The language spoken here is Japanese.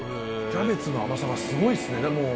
キャベツの甘さがすごいっすね。